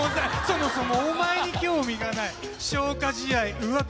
そもそもお前に興味がない消化試合うわ